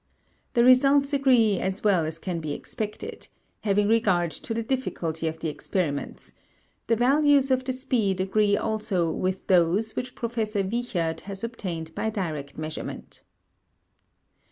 The results agree as well as can be expected, having regard to the difficulty of the experiments; the values of the speed agree also with those which Professor Wiechert has obtained by direct measurement.